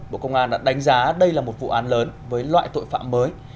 bộ công an đã đánh giá đây là một vụ án lớn với loại tội phạm mới